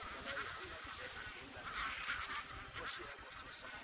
jalan kung jalan se di sini ada pesta besar besaran